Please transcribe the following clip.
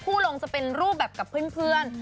ลงจะเป็นรูปแบบกับเพื่อน